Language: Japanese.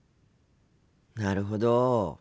なるほど。